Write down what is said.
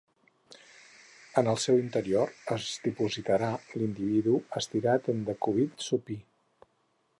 En el seu interior es dipositaria l'individu estirat en decúbit supí.